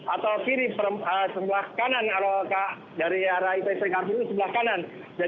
atau kiri sebelah kanan atau dari arah itc campur itu sebelah kanan